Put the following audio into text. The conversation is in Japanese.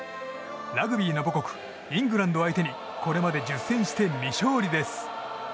ラグビーの母国イングランド相手にこれまで１０戦して未勝利です。